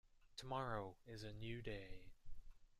Tomorrow is a new day.